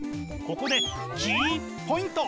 ここでキーポイント！